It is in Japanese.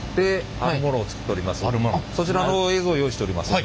そちらの映像を用意しておりますので。